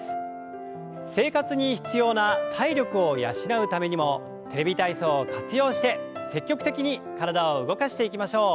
生活に必要な体力を養うためにも「テレビ体操」を活用して積極的に体を動かしていきましょう。